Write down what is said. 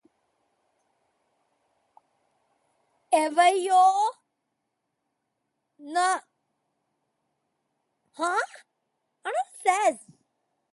ഇവയെ നേരിടാനുള്ള സംവിധാനം നേരത്തെ ഉണ്ടാക്കിയിട്ടുണ്ടെങ്കിൽ കുറെയൊക്കെ താങ്ങാനാകുമായിരുന്നു.